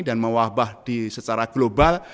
dan mewabah secara global